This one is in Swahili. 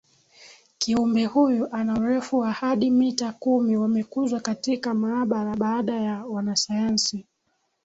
Kiumbe huyu ana urefu wa hadi mita kumi wamekuzwa katika maabara baada ya wanasayansi